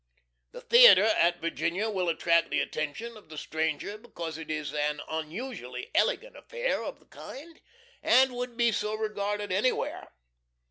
The theatre at Virginia will attract the attention of the stranger, because it is an unusually elegant affair of the kind, and would be so regarded anywhere.